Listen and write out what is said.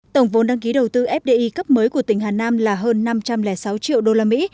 tổng vốn đăng ký đầu tư fdi cấp mới của tỉnh hà nam là hơn năm trăm linh sáu triệu đô la mỹ